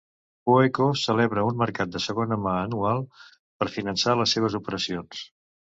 PoeCo celebra un mercat de segona mà anual per finançar les seves operacions.